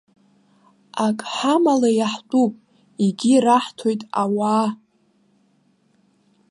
Ак ҳамала иаҳтәуп, егьи раҳҭоит ауаа.